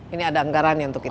ini ada anggarannya untuk itu